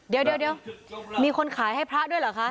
เดี๋ยวมีคนขายให้พระด้วยเหรอคะ